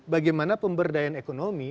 bagaimana pemberdayaan ekonomi